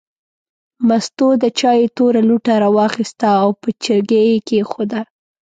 مستو د چای توره لوټه راواخیسته او په چرګۍ یې کېښوده.